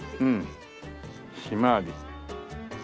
シマアジ。